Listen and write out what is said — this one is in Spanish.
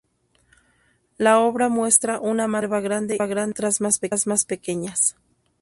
La obra muestra una mata de hierba grande y otras más pequeñas.